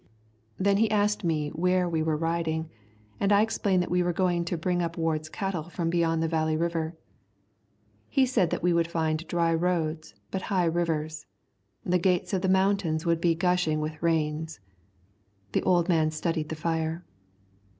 Then he asked me where we were riding, and I explained that we were going to bring up Ward's cattle from beyond the Valley River. He said that we would find dry roads but high rivers. The gates of the mountains would be gushing with rains. The old man studied the fire.